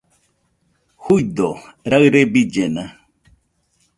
Juido, raɨre billena